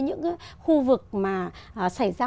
những khu vực mà xảy ra